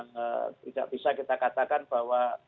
tidak bisa kita katakan bahwa